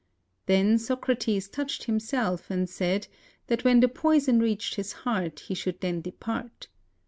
Then Socrates touched himself and said that when the poison reached his heart, he should then depart.